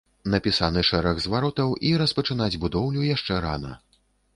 Напісаны шэраг зваротаў, і распачынаць будоўлю яшчэ рана.